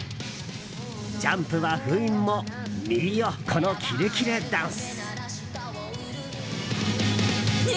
ジャンプは封印も見よ、このキレキレダンス。